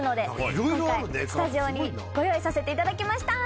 今回スタジオにご用意させていただきました！